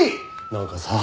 なんかさ